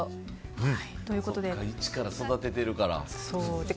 一から育ててるから。